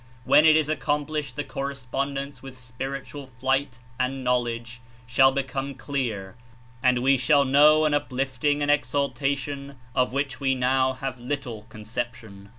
When it is accomplished the correspondence with spiritual flight and knowledge shall become clear and we shall know an uplifting and exaltation of which w^e now have little conception.